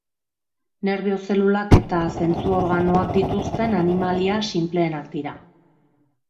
Nerbio zelulak eta zentzu organoak dituzten animalia sinpleenak dira.